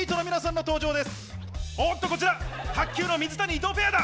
おっとこちら卓球の水谷・伊藤ペアだ！